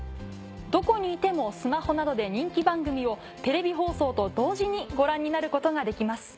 どこにいてもスマホなどで人気番組をテレビ放送と同時にご覧になることができます。